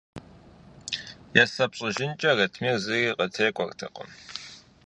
Есэп щӏыжынкӏэ Ратмир зыри къытекӏуэртэкъым.